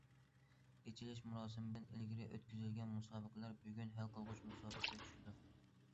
ئېچىلىش مۇراسىمىدىن ئىلگىرى ئۆتكۈزۈلگەن مۇسابىقىلەر بۈگۈن ھەل قىلغۇچ مۇسابىقىگە چۈشىدۇ.